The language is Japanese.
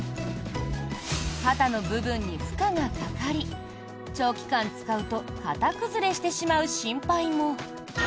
肩の部分に負荷がかかり長期間使うと形崩れしてしまう心配も。